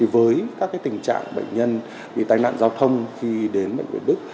với các tình trạng bệnh nhân tai nạn giao thông khi đến bệnh viện việt đức